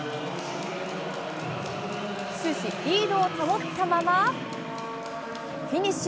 終始、リードを保ったまま、フィニッシュ。